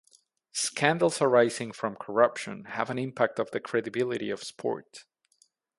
Scandals arising from corruption have an impact of the credibility of sport.